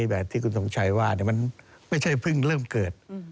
แบบที่คุณสมชัยว่ามันไม่ใช่เพิ่งเริ่มเกิด